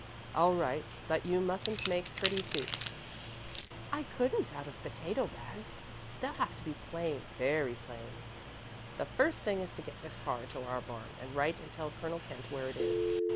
"All right, but you mustn't make pretty suits." "I couldn't, out of potato bags. They'll have to be plain very plain." "The first thing is to get this car into our barn, and write and tell Colonel Kent where it is.